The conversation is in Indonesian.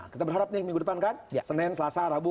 kita berharap nih minggu depan kan senin selasa rabu